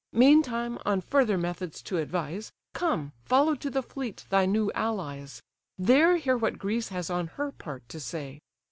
Meantime, on further methods to advise, Come, follow to the fleet thy new allies; There hear what Greece has on her part to say."